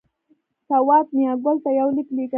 سوات میاګل ته یو لیک لېږلی.